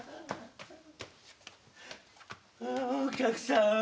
お客さん。